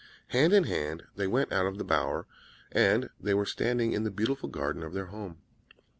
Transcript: Hand in hand they went out of the bower, and they were standing in the beautiful garden of their home.